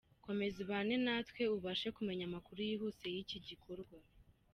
Komeza ubane natwe ubashe kumenya amakuru yihuse y’iki gikorwa.